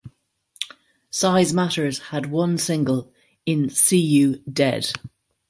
"Size Matters" had one single in "See You Dead.